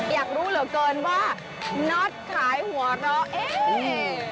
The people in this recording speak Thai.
อยากรู้เหลือเกินว่าน็อตขายหัวเราะเอ๊ะ